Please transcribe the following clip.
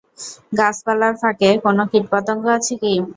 গাছপালার ফাঁকে কোনো কীটপতঙ্গ আছে কি?